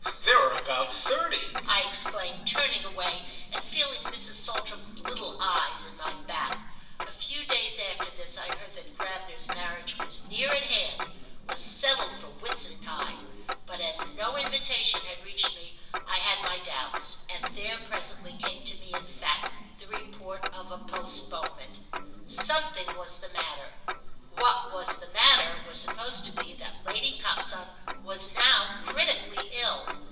There are about thirty!" I exclaimed, turning away and feeling Mrs. Saltram's little eyes in my back. A few days after this I heard that Gravener's marriage was near at hand—was settled for Whitsuntide; but as no invitation had reached me I had my doubts, and there presently came to me in fact the report of a postponement. Something was the matter; what was the matter was supposed to be that Lady Coxon was now critically ill.